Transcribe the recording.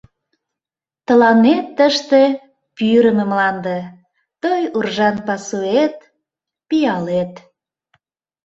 Тыланет тыште пӱрымӧ мланде — Той уржан пасуэт — пиалет.